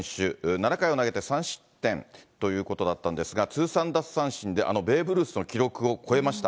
７回を投げて３失点ということだったんですが、通算奪三振で、あのベーブ・ルースの記録を超えました。